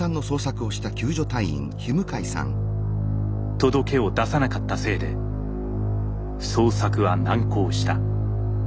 届けを出さなかったせいで捜索は難航した。